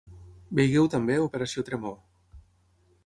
Vegeu també Operació Tremor.